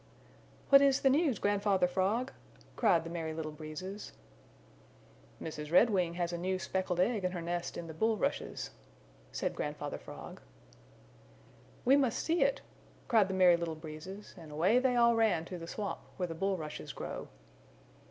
"What is the news, Grandfather Frog?" cried the Merry Little Breezes. "Mrs. Redwing has a new speckled egg in her nest in the bulrushes," said Grandfather Frog. "We must see it," cried the Merry Little Breezes, and away they all ran to the swamp where the bulrushes grow.